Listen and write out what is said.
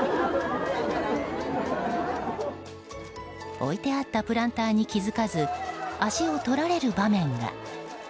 置いてあったプランターに気づかず足を取られる場面が。